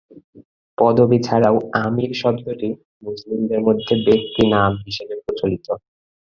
পদবি ছাড়াও "আমির" শব্দটি মুসলিমদের মধ্যে ব্যক্তি নাম হিসেবে প্রচলিত।